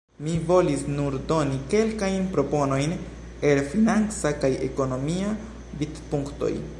Mi volis nur doni kelkajn proponojn el financa kaj ekonomia vidpunktoj.